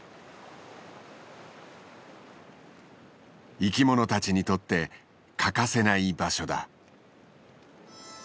生き物たちにとって欠かせない場所だ。